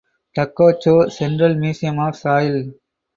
Dokuchaev Central Museum of Soil.